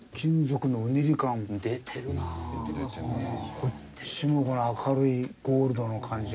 こっちもこの明るいゴールドの感じが。